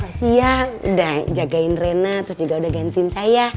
oh iya udah jagain rena terus juga udah gantiin saya